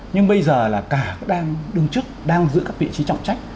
nhưng bây giờ là cả đang đứng trước đang giữ các vị trí trọng trách